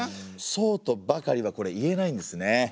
そうとばかりはこれ言えないんですね。